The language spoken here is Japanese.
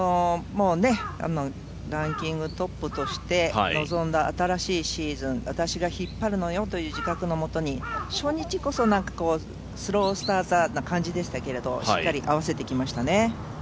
もうランキングトップとして臨んだ新しいシーズン、私が引っ張るのよという自覚のもとに初日こそスロースターターな感じでしたけど、しっかり合わせてきましたね。